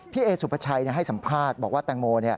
เอสุปชัยให้สัมภาษณ์บอกว่าแตงโม